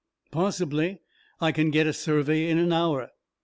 "Possibly I can get a survey in an hour.